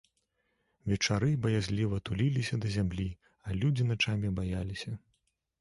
Вечары баязліва туліліся да зямлі, а людзі начамі баяліся.